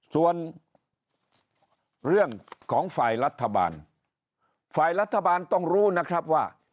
ส่วนเรื่องของฝ่ายรัฐบาลฝ่ายรัฐบาลต้องรู้นะครับว่า